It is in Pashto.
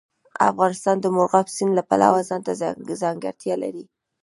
افغانستان د مورغاب سیند له پلوه ځانته ځانګړتیا لري.